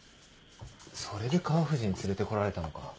それで川藤に連れてこられたのか。